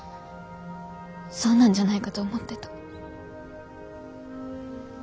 そうなんじゃないかと思ってた。